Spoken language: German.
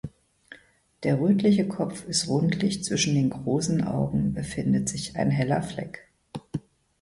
Der rötliche Kopf ist rundlich, zwischen den großen Augen befindet sich ein heller Fleck.